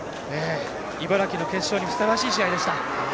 茨城の決勝にふさわしい内容でした。